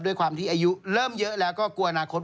ด้วยความที่อายุเริ่มเยอะแล้วก็กลัวอนาคต